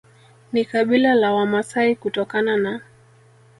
ni kabila la Wamasai kutokana na